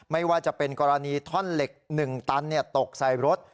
ไม่ว่าจะเป็นกรณีท่อนเหล็ก๑ตันตกใส่รถ